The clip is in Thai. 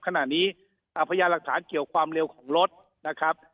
ขณะนี้พยานหลักฐานเกี่ยวความเร็วของรถนะครับ